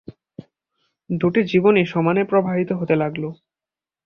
দুটি জীবনই সমানে প্রবাহিত হতে লাগল।